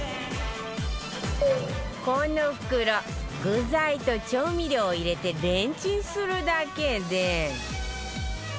この袋具材と調味料を入れてレンチンするだけで